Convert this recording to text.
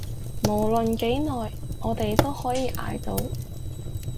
無論幾耐，我哋都可以捱到